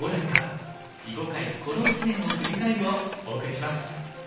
囲碁界この１年を振り返る」をお送りします。